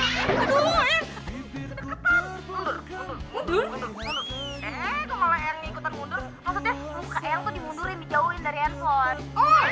maksudnya muka eang kok dimundurin dijauhin dari handphone